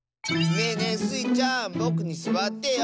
ねえねえスイちゃんぼくにすわってよ。